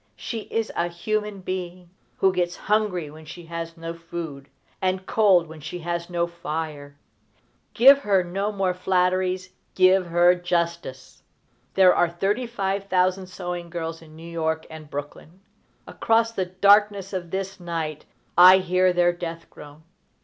She is a human being, who gets hungry when she has no food, and cold when she has no fire. Give her no more flatteries: give her justice! There are thirty five thousand sewing girls in New York and Brooklyn. Across the darkness of this night I hear their death groan.